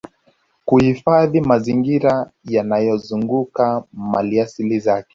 Kuhifadhi mazingira yanayozunguka maliasili zake